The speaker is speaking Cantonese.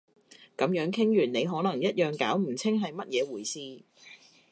噉樣傾完你可能一樣搞唔清係乜嘢回事